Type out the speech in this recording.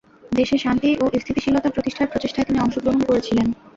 দেশে শান্তি ও স্থিতিশীলতা প্রতিষ্ঠার প্রচেষ্টায় তিনি অংশগ্রহণ করেছিলেন।